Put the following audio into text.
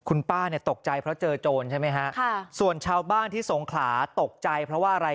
คุณป้าเนี่ยตกใจเพราะเจอโจรใช่ไหมฮะส่วนชาวบ้านที่สงขลาตกใจเพราะว่าอะไร